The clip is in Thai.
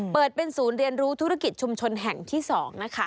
เปิดเป็นศูนย์เรียนรู้ธุรกิจชุมชนแห่งที่๒นะคะ